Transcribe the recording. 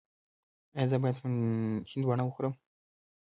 ایا زه باید هندواڼه وخورم؟